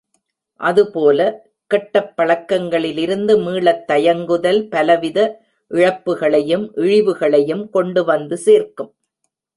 அதுபோல, கெட்டப் பழக்கங்களிலிருந்து மீளத் தயங்குதல் பலவித இழப்புகளையும் இழிவுகளையும் கொண்டுவந்து சேர்க்கும்.